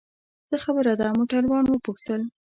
څه خبره ده؟ موټروان وپوښتل.